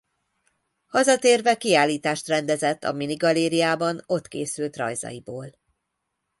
Hazatérve kiállítást rendezett a Mini Galériában ott készült rajzaiból.